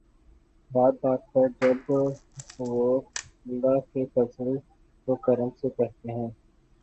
بات بات پر جب وہ'اللہ کے فضل و کرم سے‘ کہتے ہیں۔